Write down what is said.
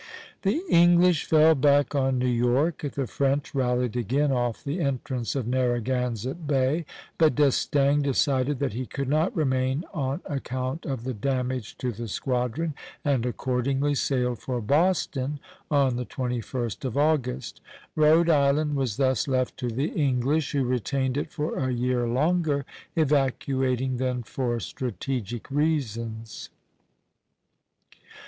The English fell back on New York. The French rallied again off the entrance of Narragansett Bay; but D'Estaing decided that he could not remain on account of the damage to the squadron, and accordingly sailed for Boston on the 21st of August. Rhode Island was thus left to the English, who retained it for a year longer, evacuating then for strategic reasons.